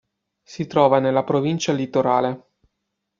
Si trova nella Provincia Litorale.